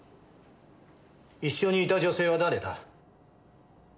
一緒にいた女性は誰だ？